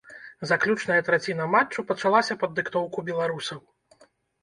Заключная траціна матчу пачалася пад дыктоўку беларусаў.